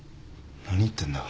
何言ってんだ？